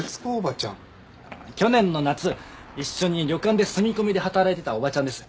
去年の夏一緒に旅館で住み込みで働いてたおばちゃんです。